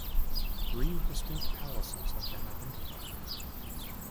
Three distinct palaces have been identified.